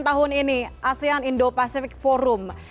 tahun ini asean indo pacific forum